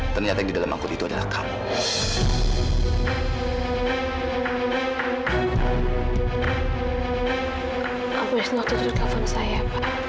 ternyata yang di dalam angkut itu adalah kamu